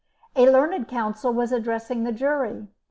A learned counsel was addressing the jury.